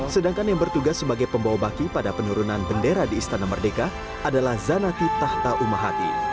sedangkan yang bertugas sebagai pembawa baki pada penurunan bendera di istana merdeka adalah zanati tahta umahati